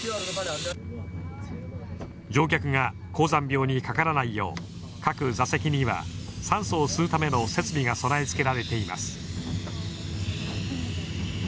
乗客が高山病にかからないよう各座席には酸素を吸うための設備が備え付けられています。